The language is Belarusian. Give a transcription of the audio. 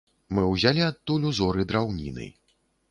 Мы ўзялі адтуль узоры драўніны.